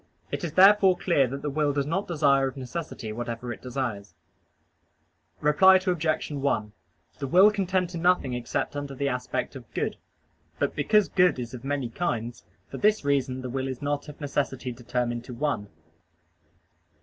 It is therefore clear that the will does not desire of necessity whatever it desires. Reply Obj. 1: The will can tend to nothing except under the aspect of good. But because good is of many kinds, for this reason the will is not of necessity determined to one.